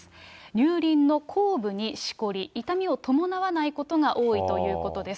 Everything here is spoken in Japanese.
乳輪の後部にしこり、痛みを伴わないことが多いということです。